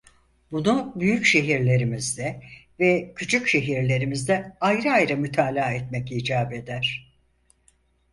Bunu büyük şehirlerimizde ve küçük şehirlerimizde ayrı ayrı mütalaa etmek icap eder.